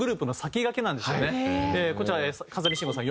こちら風見慎吾さん